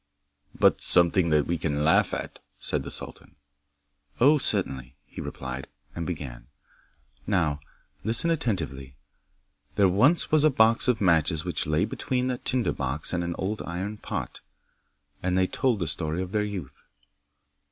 'But something that we can laugh at,' said the sultan. 'Oh, certainly,' he replied, and began: 'Now, listen attentively. There was once a box of matches which lay between a tinder box and an old iron pot, and they told the story of their youth.